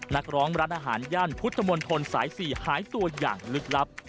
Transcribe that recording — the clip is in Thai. นักร้องร้านอาหารย่านพุทธมนตรสาย๔หายตัวอย่างลึกลับ